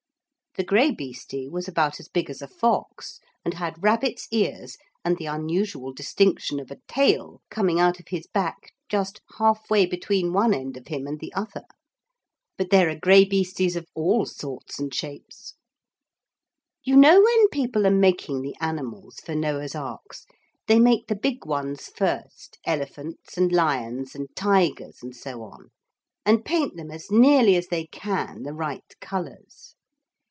The graibeeste was about as big as a fox, and had rabbit's ears and the unusual distinction of a tail coming out of his back just half way between one end of him and the other. But there are graibeestes of all sorts and shapes. [Illustration: 'If your camel's not quite fresh I can mount you both.'] You know when people are making the animals for Noah's arks they make the big ones first, elephants and lions and tigers and so on, and paint them as nearly as they can the right colours.